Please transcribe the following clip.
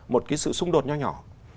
một cái sự xung đột nhỏ nhỏ